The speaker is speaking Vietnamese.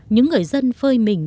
những người dân phơi mình